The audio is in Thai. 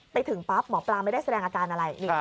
ไปถึงปั๊บหมอปลาไม่ได้แสดงอาการอะไร